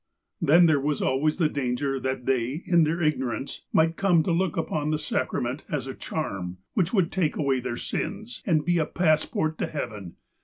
Then there was always the danger that they, in their ignorance, might come to look upon the sacrament as a charm, which would take away their sins, and be a passport to heaven.